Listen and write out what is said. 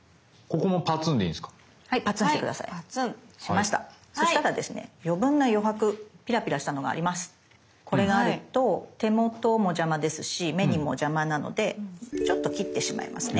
これがあると手元も邪魔ですし目にも邪魔なのでちょっと切ってしまいますね。